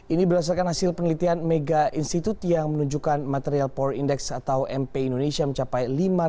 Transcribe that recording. ini berdasarkan hasil penelitian mega institut yang menunjukkan material power index atau mpi indonesia mencapai lima ratus delapan puluh empat empat ratus tujuh puluh delapan